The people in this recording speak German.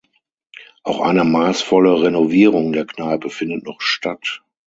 Auch eine maßvolle Renovierung der Kneipe findet noch statt.